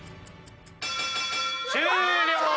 終了！